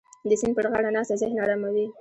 د سیند په غاړه ناسته ذهن اراموي.